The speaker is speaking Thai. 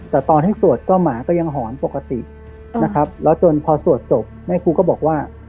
แต่ตอนให้สวดก็หมาก็ยังหอนปกตินะครับแล้วจนพอสวดศพแม่ครูก็บอกว่า